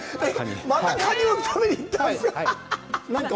またカニを食べに行ったんですか？